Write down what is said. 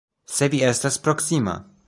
Se vi estas proksima.